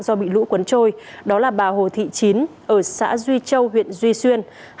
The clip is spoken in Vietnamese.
do bị lũ cuốn trôi đó là bà hồ thị chín ở xã duy châu huyện duy xuyên